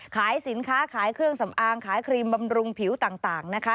ขายสินค้าขายเครื่องสำอางขายครีมบำรุงผิวต่างนะคะ